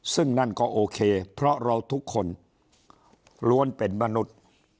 ซึ่งนั่นก็โอเคเพราะเราทุกคนล้วนเป็นมนุษย์